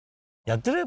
やってる？